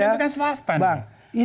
dan yang berjalan itu kan swastan